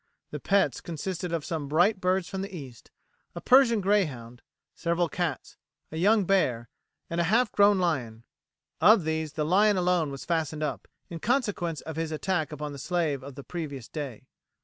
The pets consisted of some bright birds from the East, a Persian greyhound, several cats, a young bear, and a half grown lion. Of these the lion alone was fastened up, in consequence of his attack upon the slave on the previous day.